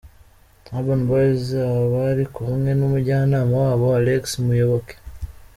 Urban Boyz aha bari kumwe n'umujyanama wabo Alex Muyoboke.